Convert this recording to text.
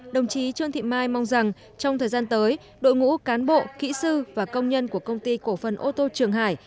đồng chí trương thị mai mong rằng trong thời gian tới đội ngũ cán bộ kỹ sư và công nhân của công ty cổ phần ô tô trường hải